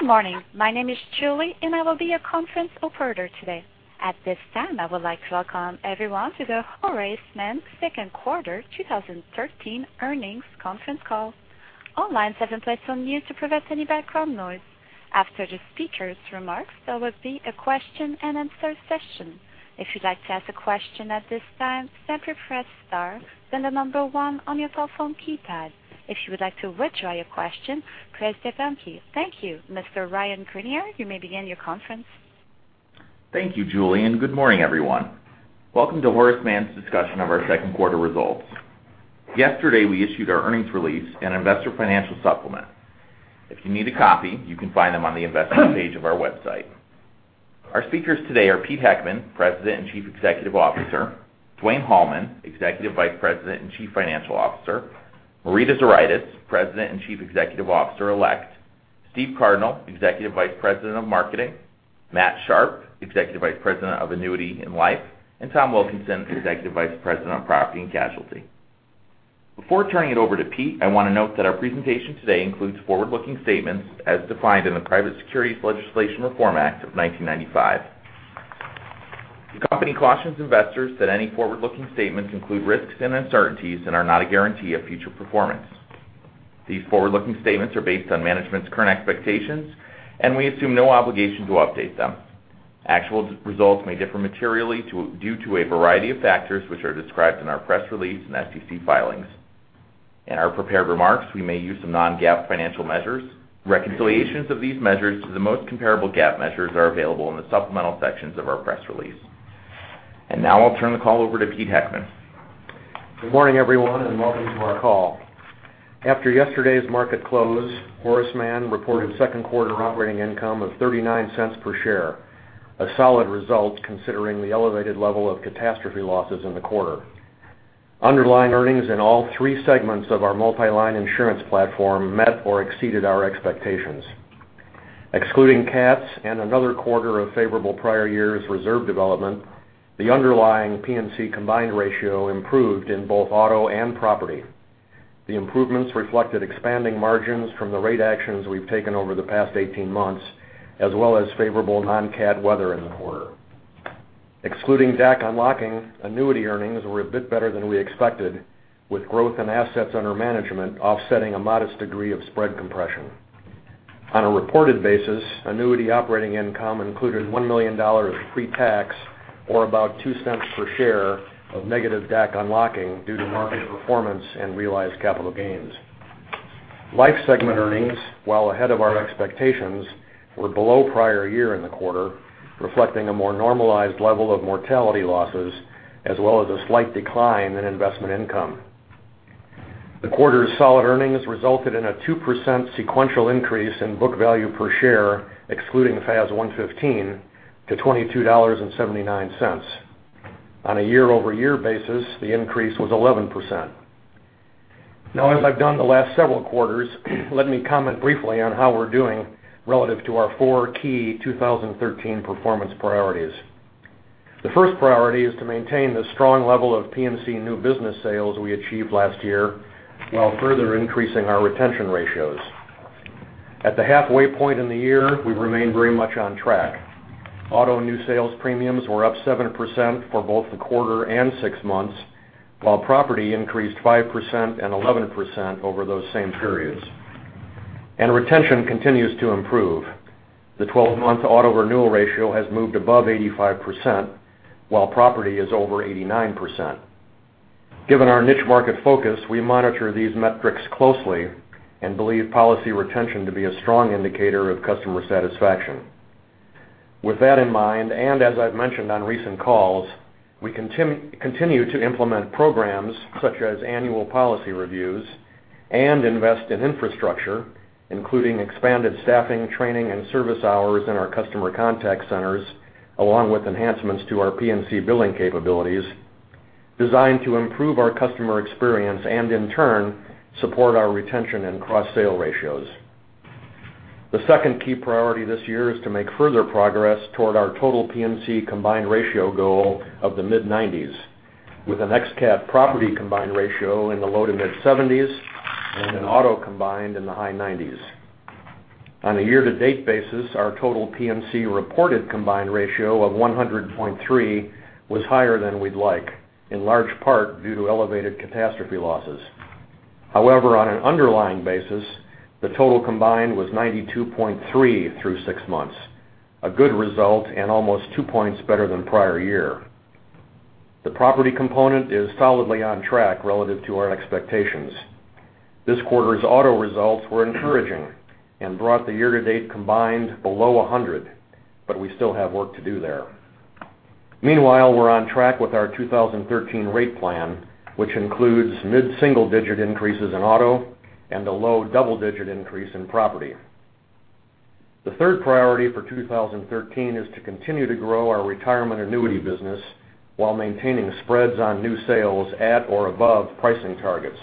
Good morning. My name is Julie. I will be your conference operator today. At this time, I would like to welcome everyone to the Horace Mann second quarter 2013 earnings conference call. All lines have been placed on mute to prevent any background noise. After the speakers' remarks, there will be a question and answer session. If you'd like to ask a question at this time, simply press star, then the number 1 on your phone keypad. If you would like to withdraw your question, press the pound key. Thank you. Mr. Ryan Greenier, you may begin your conference. Thank you, Julie. Good morning, everyone. Welcome to Horace Mann's discussion of our second quarter results. Yesterday, we issued our earnings release and investor financial supplement. If you need a copy, you can find them on the investment page of our website. Our speakers today are Pete Heckman, President and Chief Executive Officer, Dwayne Hallman, Executive Vice President and Chief Financial Officer, Marita Zuraitis, President and Chief Executive Officer-Elect, Steve Cardinal, Executive Vice President of Marketing, Matt Sharpe, Executive Vice President of Annuity and Life, and Tom Wilkinson, Executive Vice President of Property and Casualty. Before turning it over to Pete, I want to note that our presentation today includes forward-looking statements as defined in the Private Securities Litigation Reform Act of 1995. The company cautions investors that any forward-looking statements include risks and uncertainties and are not a guarantee of future performance. These forward-looking statements are based on management's current expectations. We assume no obligation to update them. Actual results may differ materially due to a variety of factors, which are described in our press release and SEC filings. In our prepared remarks, we may use some non-GAAP financial measures. Reconciliations of these measures to the most comparable GAAP measures are available in the supplemental sections of our press release. Now I'll turn the call over to Pete Heckman. Good morning, everyone. Welcome to our call. After yesterday's market close, Horace Mann reported second quarter operating income of $0.39 per share, a solid result considering the elevated level of catastrophe losses in the quarter. Underlying earnings in all 3 segments of our multi-line insurance platform met or exceeded our expectations. Excluding cats and another quarter of favorable prior years reserve development, the underlying P&C combined ratio improved in both auto and property. The improvements reflected expanding margins from the rate actions we've taken over the past 18 months, as well as favorable non-cat weather in the quarter. Excluding DAC unlocking, annuity earnings were a bit better than we expected, with growth in assets under management offsetting a modest degree of spread compression. On a reported basis, annuity operating income included $1 million pre-tax or about $0.02 per share of negative DAC unlocking due to market performance and realized capital gains. Life segment earnings, while ahead of our expectations, were below prior year in the quarter, reflecting a more normalized level of mortality losses, as well as a slight decline in investment income. The quarter's solid earnings resulted in a 2% sequential increase in book value per share, excluding FAS 115 to $22.79. On a year-over-year basis, the increase was 11%. As I've done the last several quarters, let me comment briefly on how we're doing relative to our four key 2013 performance priorities. The first priority is to maintain the strong level of P&C new business sales we achieved last year while further increasing our retention ratios. At the halfway point in the year, we remain very much on track. Auto new sales premiums were up 7% for both the quarter and six months, while property increased 5% and 11% over those same periods. Retention continues to improve. The 12-month auto renewal ratio has moved above 85%, while property is over 89%. Given our niche market focus, we monitor these metrics closely and believe policy retention to be a strong indicator of customer satisfaction. With that in mind, as I've mentioned on recent calls, we continue to implement programs such as annual policy reviews and invest in infrastructure, including expanded staffing, training, and service hours in our customer contact centers, along with enhancements to our P&C billing capabilities designed to improve our customer experience and in turn, support our retention and cross-sale ratios. The second key priority this year is to make further progress toward our total P&C combined ratio goal of the mid-90s with an ex-cat property combined ratio in the low to mid-70s and an auto combined in the high 90s. On a year-to-date basis, our total P&C reported combined ratio of 100.3 was higher than we'd like, in large part due to elevated catastrophe losses. However, on an underlying basis, the total combined was 92.3 through six months, a good result and almost two points better than prior year. The property component is solidly on track relative to our expectations. This quarter's auto results were encouraging and brought the year-to-date combined below 100, but we still have work to do there. Meanwhile, we're on track with our 2013 rate plan, which includes mid-single-digit increases in auto and a low double-digit increase in property. The third priority for 2013 is to continue to grow our retirement annuity business while maintaining spreads on new sales at or above pricing targets.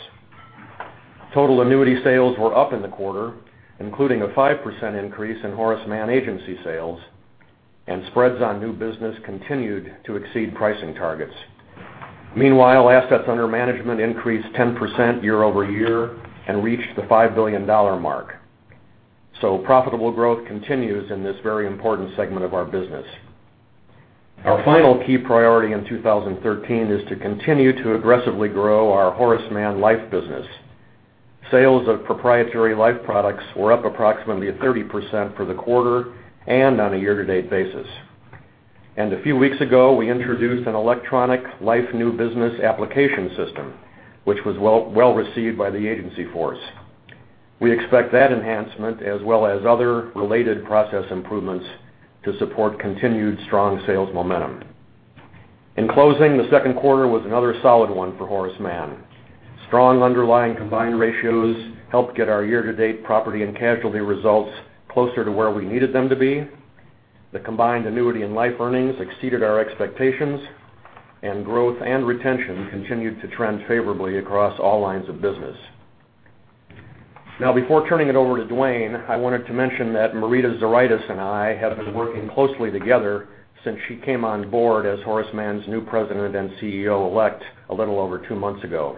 Total annuity sales were up in the quarter, including a 5% increase in Horace Mann agency sales, and spreads on new business continued to exceed pricing targets. Meanwhile, assets under management increased 10% year-over-year and reached the $5 billion mark. Profitable growth continues in this very important segment of our business. Our final key priority in 2013 is to continue to aggressively grow our Horace Mann Life business. Sales of proprietary Life products were up approximately 30% for the quarter and on a year-to-date basis. A few weeks ago, we introduced an electronic Life new business application system, which was well received by the agency force. We expect that enhancement as well as other related process improvements to support continued strong sales momentum. In closing, the second quarter was another solid one for Horace Mann. Strong underlying combined ratios helped get our year-to-date property and casualty results closer to where we needed them to be. The combined annuity and life earnings exceeded our expectations. Growth and retention continued to trend favorably across all lines of business. Now, before turning it over to Dwayne, I wanted to mention that Marita Zuraitis and I have been working closely together since she came on board as Horace Mann's new President and CEO-Elect a little over two months ago.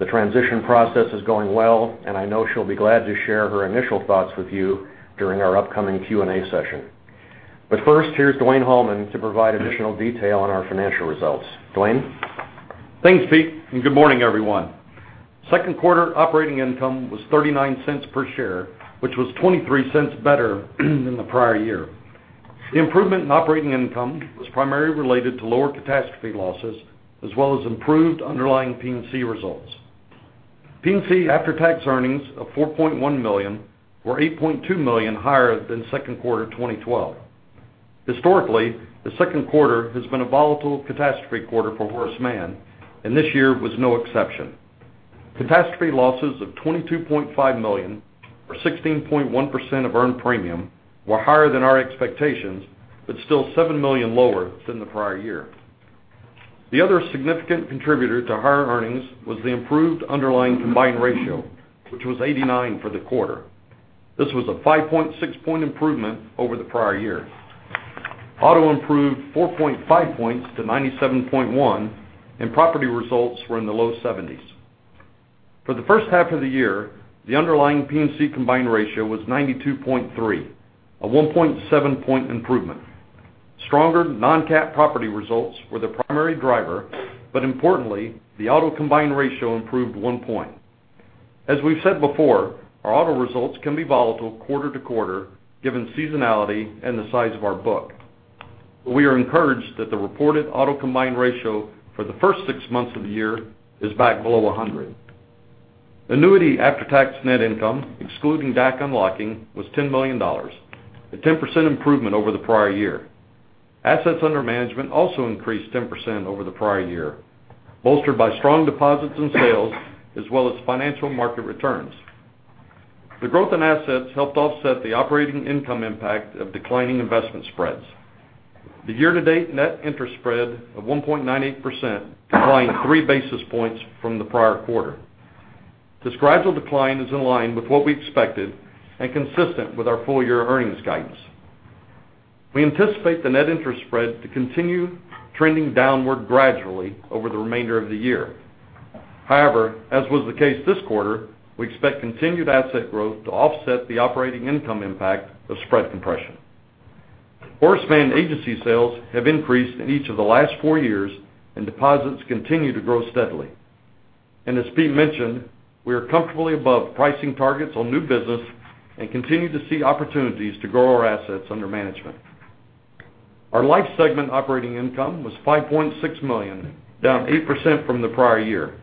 The transition process is going well. I know she'll be glad to share her initial thoughts with you during our upcoming Q&A session. First, here's Dwayne Holman to provide additional detail on our financial results. Dwayne? Thanks, Pete. Good morning, everyone. Second quarter operating income was $0.39 per share, which was $0.23 better than the prior year. The improvement in operating income was primarily related to lower catastrophe losses as well as improved underlying P&C results. P&C after-tax earnings of $4.1 million were $8.2 million higher than second quarter 2012. Historically, the second quarter has been a volatile catastrophe quarter for Horace Mann. This year was no exception. Catastrophe losses of $22.5 million, or 16.1% of earned premium, were higher than our expectations, but still $7 million lower than the prior year. The other significant contributor to higher earnings was the improved underlying combined ratio, which was 89% for the quarter. This was a 5.6 point improvement over the prior year. Auto improved 4.5 points to 97.1%. Property results were in the low 70s%. For the first half of the year, the underlying P&C combined ratio was 92.3%, a 1.7 point improvement. Stronger non-cap property results were the primary driver. Importantly, the auto combined ratio improved one point. As we've said before, our auto results can be volatile quarter to quarter given seasonality and the size of our book. We are encouraged that the reported auto combined ratio for the first six months of the year is back below 100%. Annuity after-tax net income, excluding DAC unlocking, was $10 million, a 10% improvement over the prior year. Assets under management also increased 10% over the prior year, bolstered by strong deposits in sales as well as financial market returns. The growth in assets helped offset the operating income impact of declining investment spreads. The year-to-date net interest spread of 1.98% declined three basis points from the prior quarter. This gradual decline is in line with what we expected and consistent with our full-year earnings guidance. We anticipate the net interest spread to continue trending downward gradually over the remainder of the year. However, as was the case this quarter, we expect continued asset growth to offset the operating income impact of spread compression. Horace Mann agency sales have increased in each of the last four years. Deposits continue to grow steadily. As Pete mentioned, we are comfortably above pricing targets on new business and continue to see opportunities to grow our assets under management. Our Life segment operating income was $5.6 million, down 8% from the prior year.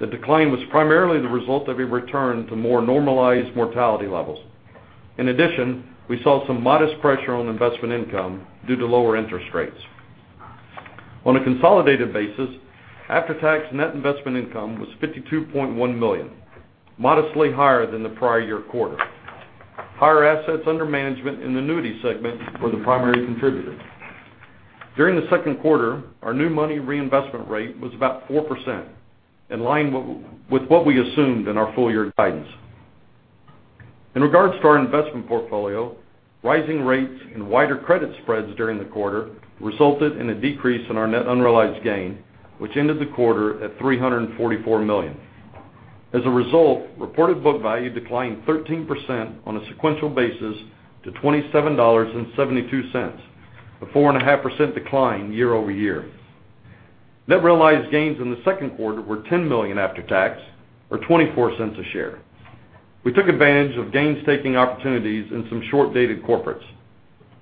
The decline was primarily the result of a return to more normalized mortality levels. In addition, we saw some modest pressure on investment income due to lower interest rates. On a consolidated basis, after-tax net investment income was $52.1 million, modestly higher than the prior year quarter. Higher assets under management in the Annuity segment were the primary contributor. During the second quarter, our new money reinvestment rate was about 4%, in line with what we assumed in our full-year guidance. In regards to our investment portfolio, rising rates and wider credit spreads during the quarter resulted in a decrease in our net unrealized gain, which ended the quarter at $344 million. As a result, reported book value declined 13% on a sequential basis to $27.72, a 4.5% decline year-over-year. Net realized gains in the second quarter were $10 million after tax, or $0.24 a share. We took advantage of gains taking opportunities in some short-dated corporates.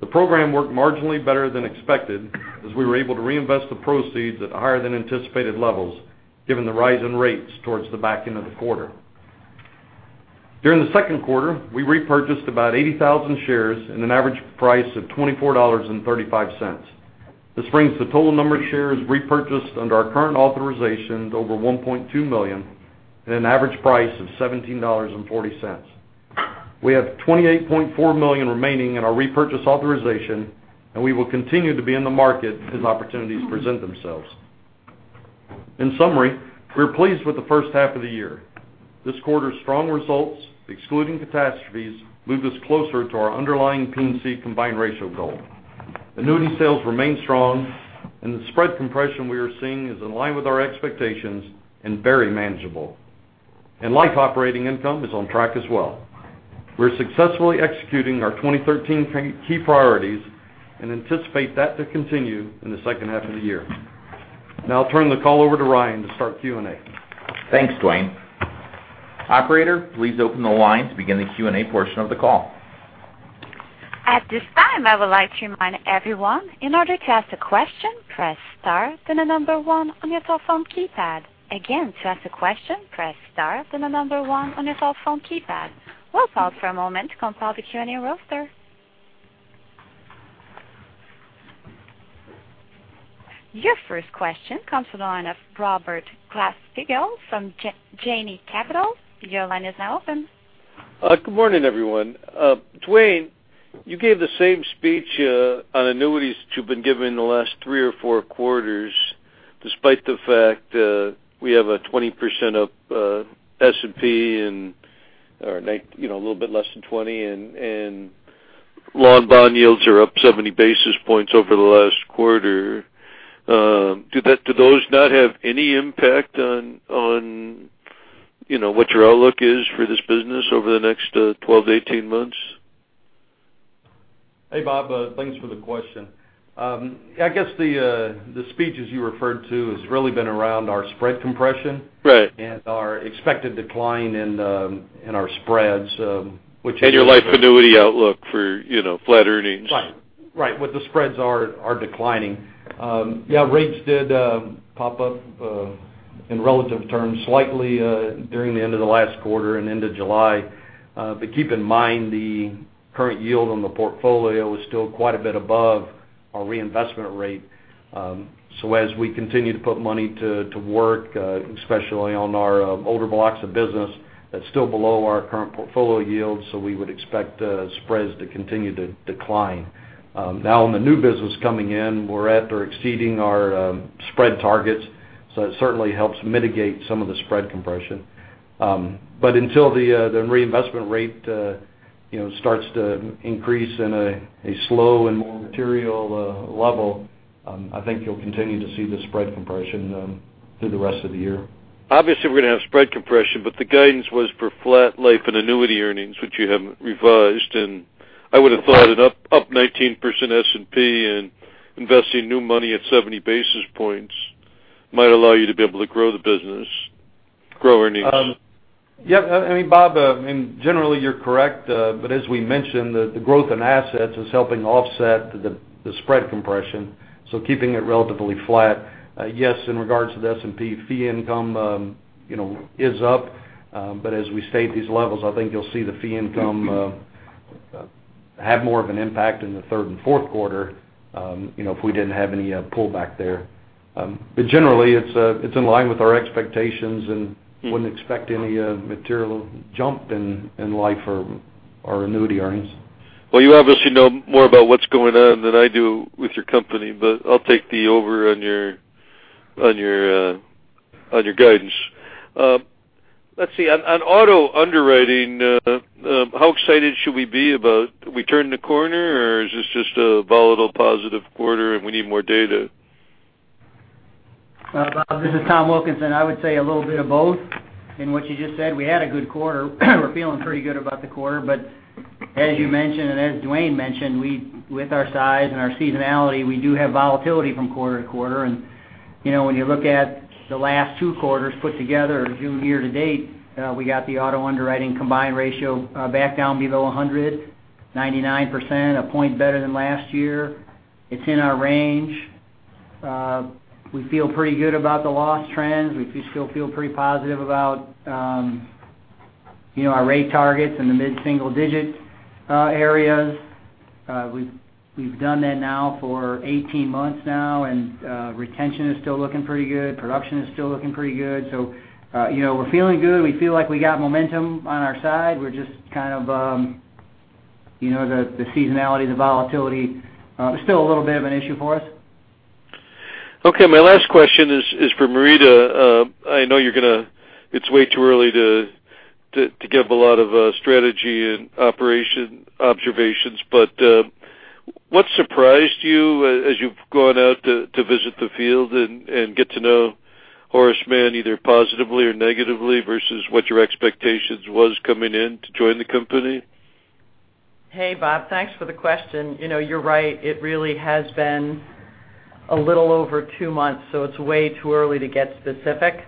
The program worked marginally better than expected as we were able to reinvest the proceeds at higher than anticipated levels given the rise in rates towards the back end of the quarter. During the second quarter, we repurchased about 80,000 shares at an average price of $24.35. This brings the total number of shares repurchased under our current authorization to over 1.2 million at an average price of $17.40. We have $28.4 million remaining in our repurchase authorization, we will continue to be in the market as opportunities present themselves. In summary, we are pleased with the first half of the year. This quarter's strong results, excluding catastrophes, moved us closer to our underlying P&C combined ratio goal. Annuity sales remain strong, the spread compression we are seeing is in line with our expectations and very manageable. Life operating income is on track as well. We're successfully executing our 2013 key priorities and anticipate that to continue in the second half of the year. Now I'll turn the call over to Ryan to start Q&A. Thanks, Dwayne. Operator, please open the line to begin the Q&A portion of the call. At this time, I would like to remind everyone, in order to ask a question, press star, then the number 1 on your telephone keypad. Again, to ask a question, press star, then the number 1 on your telephone keypad. We'll pause for a moment to compile the Q&A roster. Your first question comes from the line of Robert Glasspiegel from Janney Capital. Your line is now open. Good morning, everyone. Dwayne, you gave the same speech on annuities that you've been giving the last three or four quarters, despite the fact we have a 20% up S&P and a little bit less than 20, and long bond yields are up 70 basis points over the last quarter. Do those not have any impact on what your outlook is for this business over the next 12 to 18 months? Hey, Bob. Thanks for the question. I guess the speech as you referred to has really been around our spread compression. Right Our expected decline in our spreads, which. Your life annuity outlook for flat earnings. Right. What the spreads are declining. Yeah, rates did pop up, in relative terms, slightly during the end of the last quarter and into July. Keep in mind, the current yield on the portfolio is still quite a bit above our reinvestment rate. As we continue to put money to work, especially on our older blocks of business, that's still below our current portfolio yield, so we would expect spreads to continue to decline. On the new business coming in, we're at or exceeding our spread targets, so that certainly helps mitigate some of the spread compression. Until the reinvestment rate starts to increase in a slow and more material level, I think you'll continue to see the spread compression through the rest of the year. Obviously, we're going to have spread compression, the guidance was for flat life and annuity earnings, which you haven't revised. I would have thought an up 19% S&P and investing new money at 70 basis points might allow you to be able to grow the business, grow earnings. Yeah, Bob, generally you're correct, as we mentioned, the growth in assets is helping offset the spread compression, so keeping it relatively flat. Yes, in regards to the S&P fee income is up, as we stay at these levels, I think you'll see the fee income have more of an impact in the third and fourth quarter if we didn't have any pullback there. Generally, it's in line with our expectations and wouldn't expect any material jump in life or annuity earnings. Well, you obviously know more about what's going on than I do with your company, but I'll take the over on your guidance. Let's see, on auto underwriting, how excited should we be about we turned the corner, or is this just a volatile positive quarter and we need more data? Robert, this is Tom Wilkinson. I would say a little bit of both in what you just said. We had a good quarter. We're feeling pretty good about the quarter, but as you mentioned, and as Dwayne mentioned, with our size and our seasonality, we do have volatility from quarter to quarter. When you look at the last two quarters put together year to date, we got the auto underwriting combined ratio back down below 100, 99%, one point better than last year. It's in our range. We feel pretty good about the loss trends. We still feel pretty positive about our rate targets in the mid-single digit areas. We've done that now for 18 months now, and retention is still looking pretty good. Production is still looking pretty good. We're feeling good. We feel like we got momentum on our side. We're just kind of the seasonality, the volatility, still a little bit of an issue for us. Okay, my last question is for Marita. I know it's way too early to give a lot of strategy and operation observations, but what surprised you as you've gone out to visit the field and get to know Horace Mann, either positively or negatively, versus what your expectations was coming in to join the company? Hey, Bob. Thanks for the question. You're right. It really has been a little over two months, so it's way too early to get specific.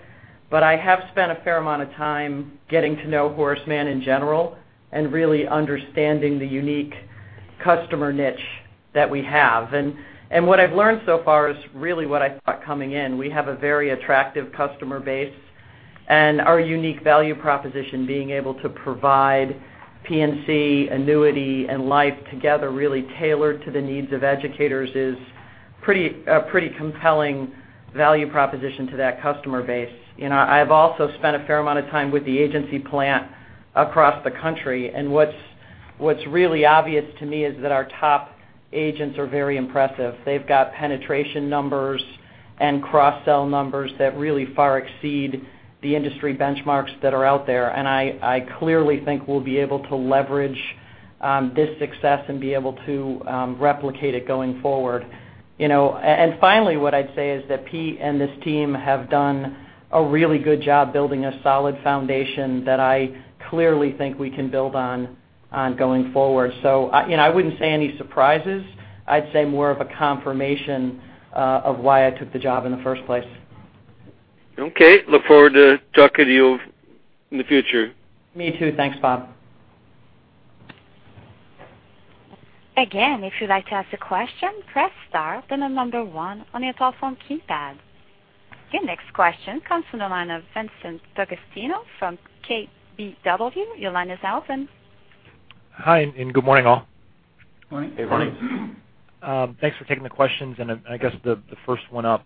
I have spent a fair amount of time getting to know Horace Mann in general and really understanding the unique customer niche that we have. What I've learned so far is really what I thought coming in. We have a very attractive customer base, and our unique value proposition, being able to provide P&C, annuity, and life together really tailored to the needs of educators is a pretty compelling value proposition to that customer base. I've also spent a fair amount of time with the agency plan across the country, what's really obvious to me is that our top agents are very impressive. They've got penetration numbers and cross-sell numbers that really far exceed the industry benchmarks that are out there. I clearly think we'll be able to leverage this success and be able to replicate it going forward. Finally, what I'd say is that Pete and this team have done a really good job building a solid foundation that I clearly think we can build on going forward. I wouldn't say any surprises. I'd say more of a confirmation of why I took the job in the first place. Okay. Look forward to talking to you in the future. Me too. Thanks, Bob. Again, if you'd like to ask a question, press star, then the number one on your telephone keypad. Your next question comes from the line of Vincent DeAugustino from KBW. Your line is open. Hi, good morning, all. Morning. Hey, [Ronnie]. Thanks for taking the questions. I guess the first one up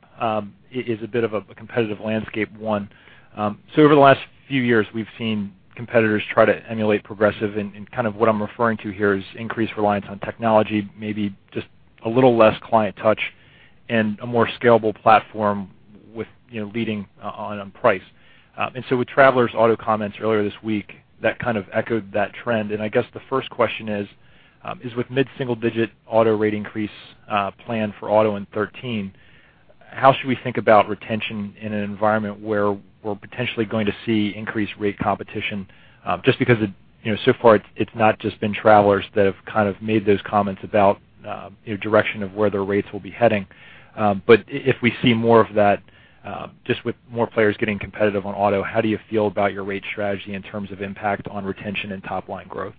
is a bit of a competitive landscape one. Over the last few years, we've seen competitors try to emulate Progressive, and kind of what I'm referring to here is increased reliance on technology, maybe just a little less client touch, and a more scalable platform with leading on price. With Travelers Auto comments earlier this week, that kind of echoed that trend. I guess the first question is: Is with mid-single-digit auto rate increase plan for auto in 2013, how should we think about retention in an environment where we're potentially going to see increased rate competition? Just because so far it's not just been Travelers that have kind of made those comments about direction of where their rates will be heading. If we see more of that, just with more players getting competitive on auto, how do you feel about your rate strategy in terms of impact on retention and top-line growth?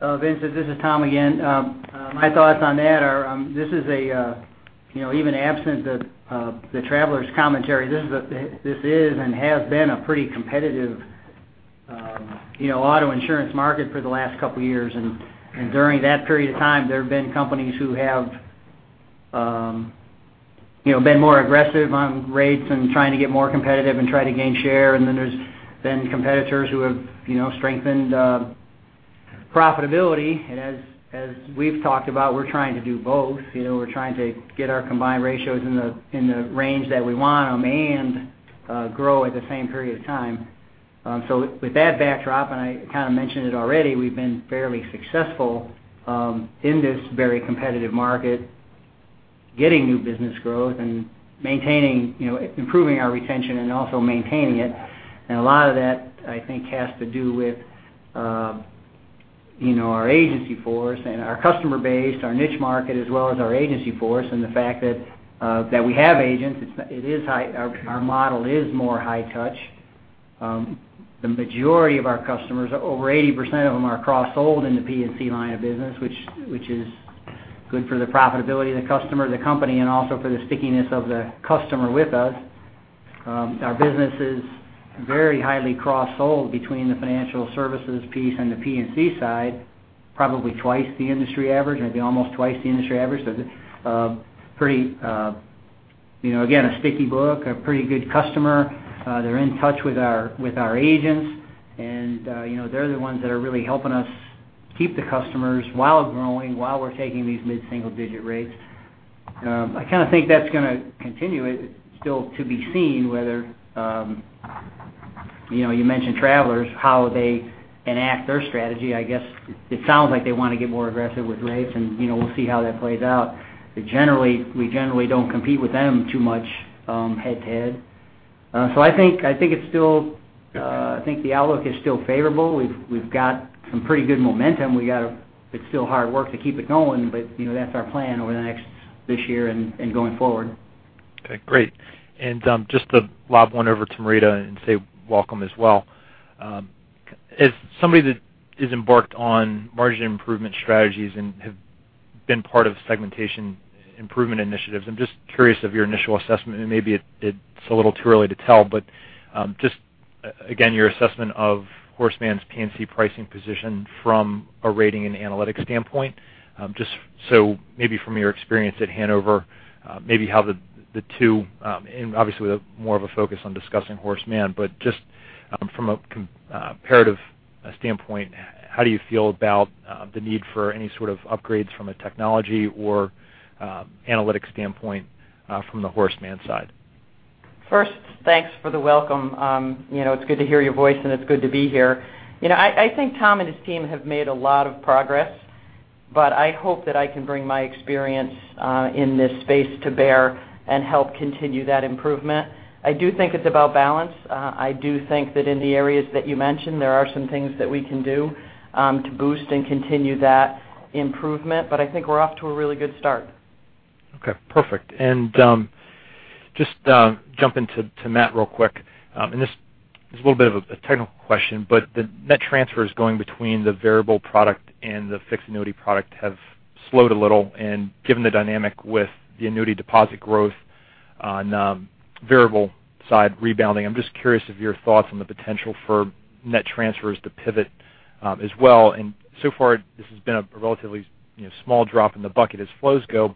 Vincent, this is Tom again. My thoughts on that are even absent the Travelers commentary, this is and has been a pretty competitive auto insurance market for the last couple of years. During that period of time, there have been companies who have been more aggressive on rates and trying to get more competitive and trying to gain share. There's been competitors who have strengthened profitability. As we've talked about, we're trying to do both. We're trying to get our combined ratios in the range that we want them and grow at the same period of time. With that backdrop, and I kind of mentioned it already, we've been fairly successful in this very competitive market, getting new business growth and improving our retention and also maintaining it. A lot of that, I think, has to do with our agency force and our customer base, our niche market, as well as our agency force and the fact that we have agents. Our model is more high touch. The majority of our customers, over 80% of them are cross-sold in the P&C line of business, which is good for the profitability of the customer, the company, and also for the stickiness of the customer with us. Our business is very highly cross-sold between the financial services piece and the P&C side, probably twice the industry average. Maybe almost twice the industry average. Again, a sticky book, a pretty good customer. They're in touch with our agents, and they're the ones that are really helping us keep the customers while growing, while we're taking these mid-single-digit rates. I kind of think that's going to continue. It's still to be seen whether, you mentioned Travelers, how they enact their strategy. I guess it sounds like they want to get more aggressive with rates, and we'll see how that plays out. Generally, we generally don't compete with them too much head to head. I think the outlook is still favorable. We've got some pretty good momentum. It's still hard work to keep it going, but that's our plan over this year and going forward. Just to lob one over to Marita and say welcome as well. As somebody that is embarked on margin improvement strategies and have been part of segmentation improvement initiatives, I'm just curious of your initial assessment, and maybe it's a little too early to tell, but just again, your assessment of Horace Mann's P&C pricing position from a rating and analytics standpoint. Just so maybe from your experience at Hanover, maybe how the two, and obviously with more of a focus on discussing Horace Mann, but just from a comparative standpoint, how do you feel about the need for any sort of upgrades from a technology or analytics standpoint from the Horace Mann side? First, thanks for the welcome. It's good to hear your voice, and it's good to be here. I think Tom and his team have made a lot of progress, but I hope that I can bring my experience in this space to bear and help continue that improvement. I do think it's about balance. I do think that in the areas that you mentioned, there are some things that we can do to boost and continue that improvement, but I think we're off to a really good start. Okay, perfect. Just jumping to Matt real quick, this is a little bit of a technical question, but the net transfers going between the variable product and the fixed annuity product have slowed a little. Given the dynamic with the annuity deposit growth on variable side rebounding, I'm just curious of your thoughts on the potential for net transfers to pivot as well. So far, this has been a relatively small drop in the bucket as flows go.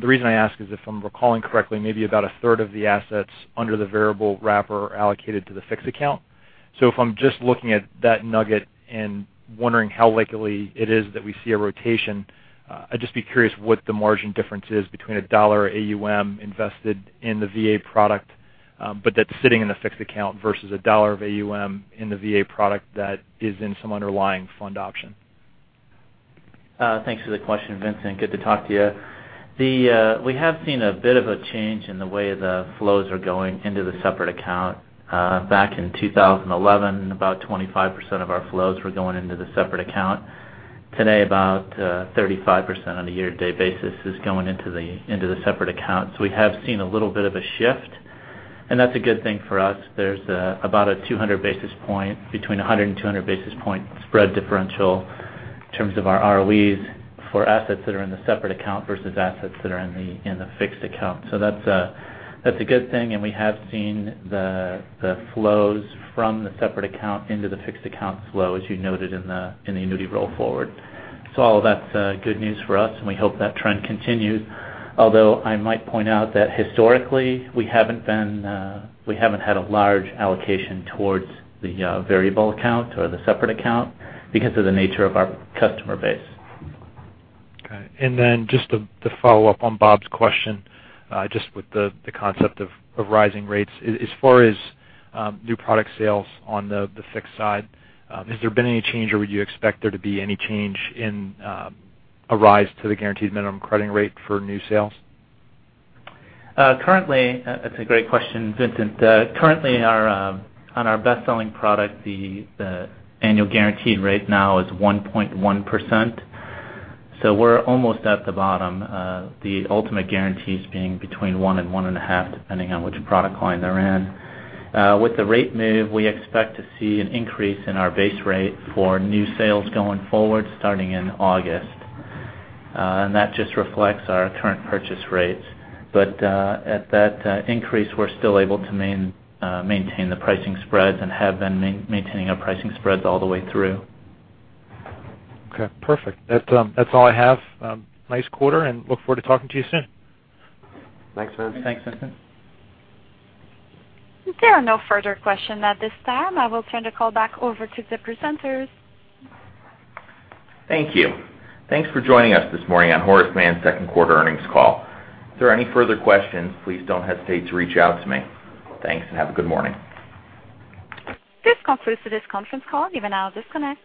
The reason I ask is, if I'm recalling correctly, maybe about a third of the assets under the variable wrapper are allocated to the fixed account. If I'm just looking at that nugget and wondering how likely it is that we see a rotation, I'd just be curious what the margin difference is between a dollar AUM invested in the VA product, but that's sitting in a fixed account versus a dollar of AUM in the VA product that is in some underlying fund option. Thanks for the question, Vincent. Good to talk to you. We have seen a bit of a change in the way the flows are going into the separate account. Back in 2011, about 25% of our flows were going into the separate account. Today, about 35% on a year-to-date basis is going into the separate account. We have seen a little bit of a shift, and that's a good thing for us. There's about a 200 basis point, between 100 and 200 basis point spread differential in terms of our ROEs for assets that are in the separate account versus assets that are in the fixed account. We have seen the flows from the separate account into the fixed account flow, as you noted in the annuity roll forward. All of that's good news for us, and we hope that trend continues. I might point out that historically, we haven't had a large allocation towards the variable account or the separate account because of the nature of our customer base. Okay. Just to follow up on Bob's question, just with the concept of rising rates. As far as new product sales on the fixed side, has there been any change or would you expect there to be any change in a rise to the guaranteed minimum crediting rate for new sales? That's a great question, Vincent. Currently, on our best-selling product, the annual guaranteed rate now is 1.1%. We're almost at the bottom. The ultimate guarantees being between one and one and a half, depending on which product line they're in. With the rate move, we expect to see an increase in our base rate for new sales going forward, starting in August. That just reflects our current purchase rates. At that increase, we're still able to maintain the pricing spreads and have been maintaining our pricing spreads all the way through. Okay, perfect. That's all I have. Nice quarter, and look forward to talking to you soon. Thanks, Vincent. Thanks, Vincent. There are no further questions at this time. I will turn the call back over to the presenters. Thank you. Thanks for joining us this morning on Horace Mann second quarter earnings call. If there are any further questions, please don't hesitate to reach out to me. Thanks, and have a good morning. This concludes this conference call. You may now disconnect.